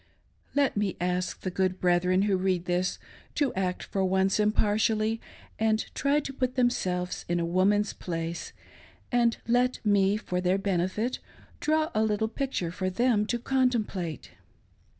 " Let me ask the good brethren who read this, to act for once impartially, and try to put themselves in a woman's place ; and let me for their benefit draw a little picture for them to contemplate.